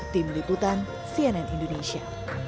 tim liputan cnn indonesia